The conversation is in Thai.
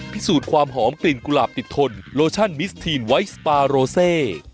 พิสูจน์ความหอมกลิ่นกุหลาบติดทนโลชั่นมิสทีนไวท์สปาโรเซ